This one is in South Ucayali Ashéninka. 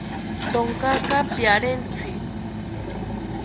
Thonkaka piarentzi